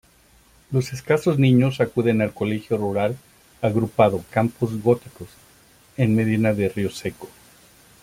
Los escasos niños acuden al Colegio Rural Agrupado Campos Góticos, en Medina de Rioseco.